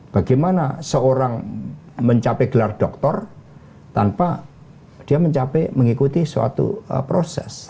bagaimana seorang mencapai gelar doktor tanpa dia mencapai mengikuti suatu proses